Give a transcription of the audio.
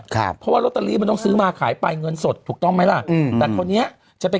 ครับเพราะลอตเตอรี่มันต้องซื้อมาขายไปเงินสดถูกต้องไหมล่ะ